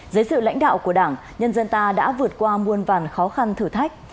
dưới sự lãnh đạo của đảng nhân dân ta đã vượt qua muôn vàn khó khăn thử thách